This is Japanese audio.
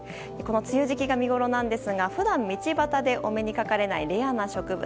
梅雨時期が見ごろなんですが普段、道端でお目にかかれないレアな植物。